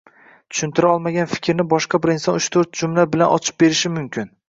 tushuntira olmagan fikrni boshqa bir inson uch-to‘rtta jumla bilan ochib berishi mumkin.